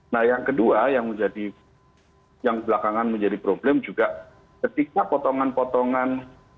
nah yang kedua yang menjadi yang belakangan menjadi problem juga ketika potongan potongan